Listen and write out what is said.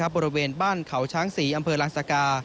บริเวณบ้านเขาช้างศรีอำเภอลานสกา